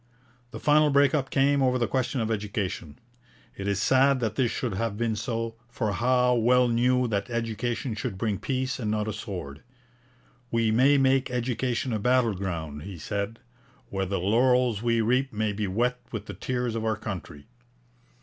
The final break up came over the question of education. It is sad that this should have been so, for Howe well knew that education should bring peace and not a sword. We may make education a battle ground,' he said, 'where the laurels we reap may be wet with the tears of our country.'